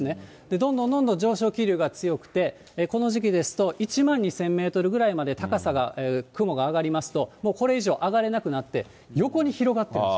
どんどんどんどん上昇気流が強くて、この時期ですと、１万２０００メートルぐらいまで高さが雲が上がりますと、もうこれ以上、上がれなくなって、横に広がってるんです。